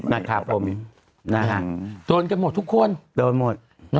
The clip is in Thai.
นะครับผมโดนกันหมดทุกคนโดนหมด